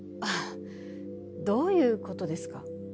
どういう事ですか？